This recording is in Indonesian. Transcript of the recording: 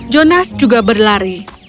jonas juga berlari